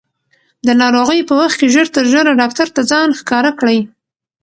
د ناروغۍ په وخت کې ژر تر ژره ډاکټر ته ځان ښکاره کړئ.